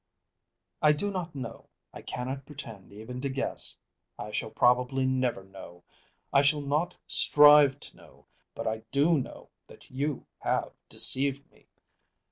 "I do not know. I cannot pretend even to guess. I shall probably never know. I shall not strive to know. But I do know that you have deceived me.